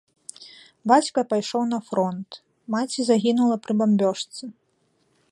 Бацька пайшоў на фронт, маці загінула пры бамбёжцы.